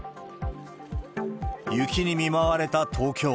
雪に見舞われた東京。